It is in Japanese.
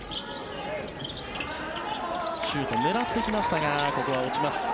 シュート、狙ってきましたがここは落ちます。